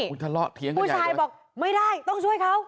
ผู้ชายบอกไม่ได้ต้องช่วยเขา